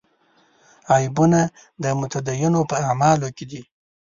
عیبونه د متدینو په اعمالو کې دي.